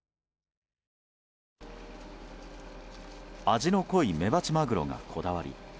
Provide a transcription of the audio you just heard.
味の濃いメバチマグロがこだわり。